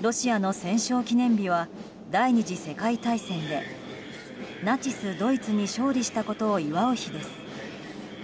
ロシアの戦勝記念日は第２次世界大戦でナチスドイツに勝利したことを祝う日です。